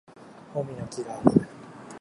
もみの木がある